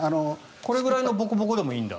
これくらいのぼこぼこでもいいんだ。